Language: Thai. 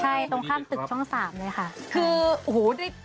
ใช่ตรงข้ามตึกช่อง๓